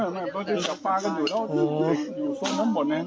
พอเดินกับปลากับอีกแล้วอยู่ทั้งหมด